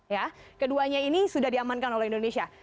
ya keduanya ini sudah diamankan oleh indonesia